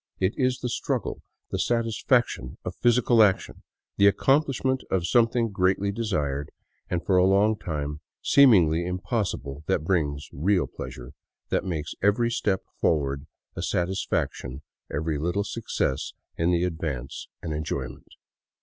It is the struggle, the satisfaction of physical action, the accomplish ment of something greatly desired and for a long time seemingly im possible, that brings real pleasure, that makes every step forward a satisfaction, every little success in the advance an enjoyment.